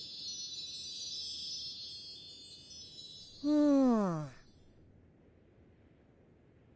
うん。